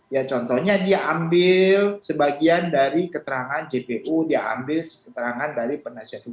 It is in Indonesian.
ya contohnya dia ambil sebagian dari keterangan jpu dia ambil keterangan dari penasihat hukum